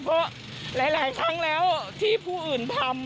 เพราะหลายครั้งแล้วที่ผู้อื่นทำ